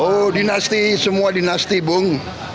oh dinasti semua dinasti bung